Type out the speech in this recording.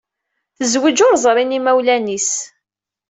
Tezweǧ ur ẓrin yimawlan-is.